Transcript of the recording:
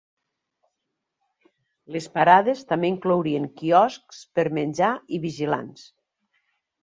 Les parades també inclourien quioscs per menjar i vigilants.